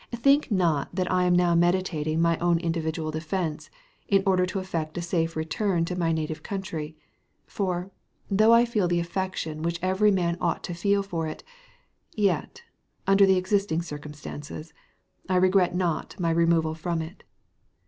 Think not that I am now meditating my own individual defence, in order to effect a safe return to my native country; for, though I feel the affection which every man ought to feel for it, yet, under the existing circumstances, I regret not my removal from it.